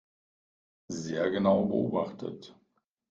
Sehr genau beobachtet.